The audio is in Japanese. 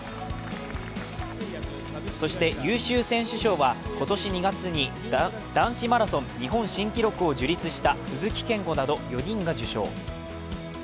そして、優秀選手賞は今年２月に男子マラソン日本新記録を樹立した鈴木健吾など４人が受賞。